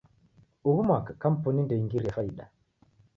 Ughu mwaka kampuni ndeingirie faida.